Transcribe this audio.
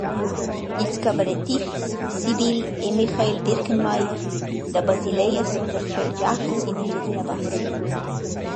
Ils cabarettists Sibylle e Michael Birkenmeier da Basilea sun darcheu giasts in Engiadina Bassa.